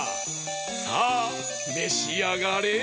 さあめしあがれ！